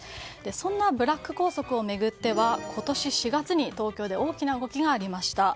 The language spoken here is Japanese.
そんなブラック校則を巡っては今年４月に東京で大きな動きがありました。